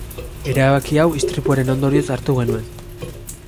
Erabaki hau istripuaren ondorioz hartu genuen.